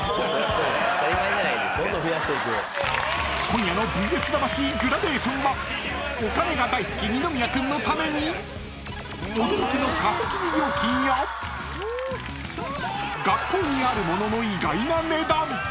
［今夜の『ＶＳ魂』グラデーションはお金が大好き二宮君のために驚きの貸切料金や学校にあるものの意外な値段］